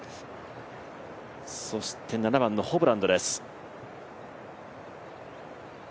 そして７番のホブランドです。